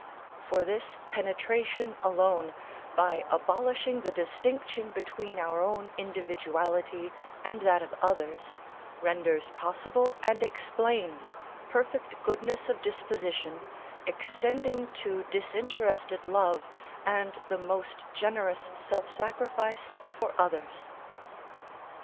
For this penetration alone, by abolishing the distinction between our own individuality and that of others, renders possible and explains perfect goodness of disposition, extending to disinterested love and the most generous self sacrifice for others.